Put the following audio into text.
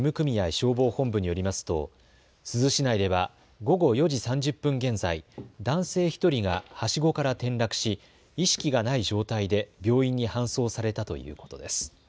消防本部によりますと珠洲市内では午後４時３０分現在、男性１人がはしごから転落し意識がない状態で病院に搬送されたということです。